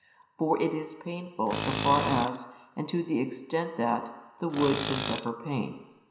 |378 For it is painful so far as, and to the extent that, the wood can suffer pain.